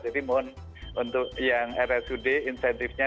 jadi mohon untuk yang rsud insentifnya